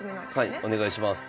はいお願いします。